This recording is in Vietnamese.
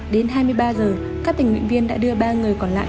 đến hai mươi ba giờ các tình nguyện viên đã đưa ba người còn lại